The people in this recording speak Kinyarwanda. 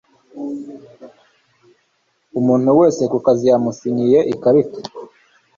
Umuntu wese ku kazi yamusinyiye ikarita